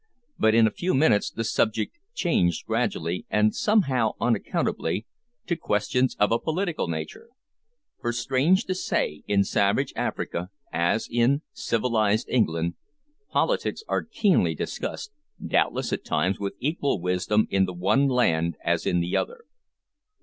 But in a few minutes the subject changed gradually, and somehow unaccountably, to questions of a political nature, for, strange to say, in savage Africa, as in civilised England, politics are keenly discussed, doubtless at times with equal wisdom in the one land as in the other.